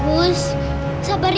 busur aku ah